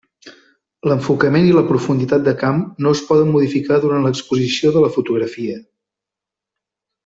L’enfocament i la profunditat de camp no es poden modificar durant l’exposició de la fotografia.